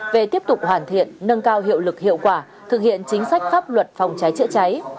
về tiếp tục hoàn thiện nâng cao hiệu lực hiệu quả thực hiện chính sách pháp luật phòng cháy chữa cháy